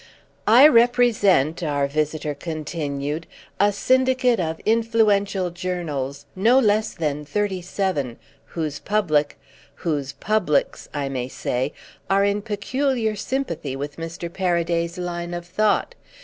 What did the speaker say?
"I represent," our visitor continued, "a syndicate of influential journals, no less than thirty seven, whose public—whose publics, I may say—are in peculiar sympathy with Mr. Paraday's line of thought.